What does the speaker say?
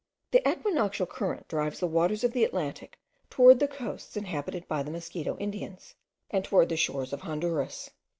The equinoctial current drives the waters of the Atlantic towards the coasts inhabited by the Mosquito Indians, and towards the shores of Honduras.